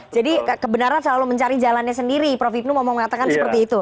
jadi kebenaran selalu mencari jalannya sendiri prof ibnul mau mengatakan seperti itu